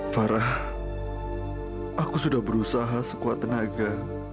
farah aku sudah berusaha sekuat tenaga